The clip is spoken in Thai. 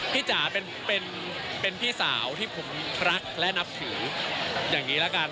จ๋าเป็นพี่สาวที่ผมรักและนับถืออย่างนี้ละกัน